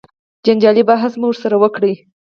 جنجالي بحث مو ورسره وکړ.